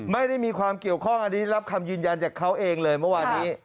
ไม่ได้มีความเกี่ยวข้องอันนี้รับคำยืนยันจากเขาเองเลยเมื่อวานี้